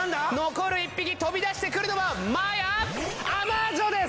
残る１匹飛び出してくるのはマヤアマージョです！